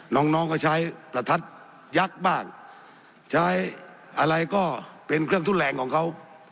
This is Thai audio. น้องน้องก็ใช้ประทัดยักษ์บ้างใช้อะไรก็เป็นเครื่องทุนแรงของเขา